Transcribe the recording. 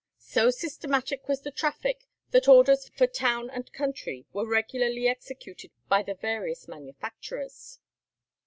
So systematic was the traffic, that orders for town and country were regularly executed by the various manufacturers.